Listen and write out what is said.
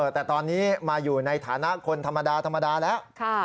แต่ตอนนี้มาอยู่ในฐานะคนธรรมดาธรรมดาแล้ว